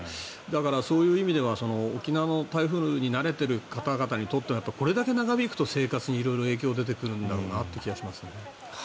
だから、そういう意味では沖縄の台風に慣れている方々にとってはこれだけ長引くと生活に色々影響が出てくるんだろうなという気がします。